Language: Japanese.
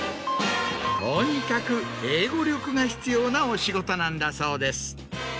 とにかく英語力が必要なお仕事なんだそうです。